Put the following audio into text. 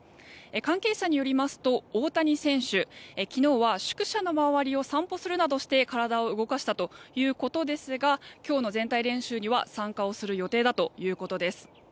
関係者によりますと大谷選手、昨日は宿舎の周りを散歩するなどして体を動かしたということですが今日の全体練習には参加をする予定だということです。